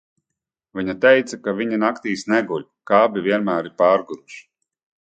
Viņa teica, ka viņi naktīs neguļ, ka abi vienmēr ir pārguruši.